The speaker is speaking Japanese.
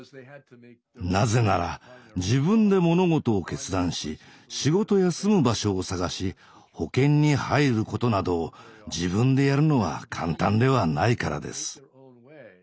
なぜなら自分で物事を決断し仕事や住む場所を探し保険に入ることなどを自分でやるのは簡単ではないからです。